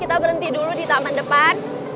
kita berhenti dulu di taman depan